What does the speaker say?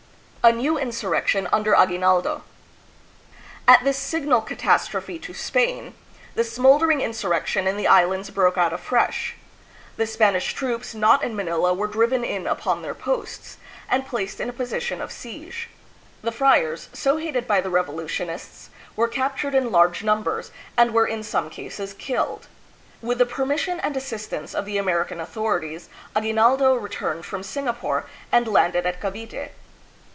A Neiv Insurrection under A^uinaldo. At this sig nal catastrophe to Spain, the smoldering insurrection in the Islands broke out afresh. The Spanish troops not in Manila were driven in upon their posts, and placed in a position of siege. The friars, so hated by the revolution ists, were captured in large numbers and were in some cases killed. With the permission and assistance of the American authorities, Aguinaldo returned from Singapore, and landed at Cavite.